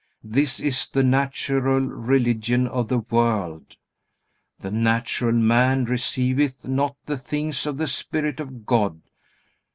This is the natural religion of the world. "The natural man receiveth not the things of the Spirit of God."